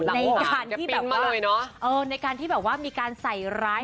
ในการที่แบบว่าในการที่แบบว่ามีการใส่ร้าย